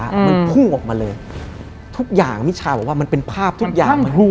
มันพุ่งออกมาเลยทุกอย่างมิชาบอกว่ามันเป็นภาพทุกอย่างมันวู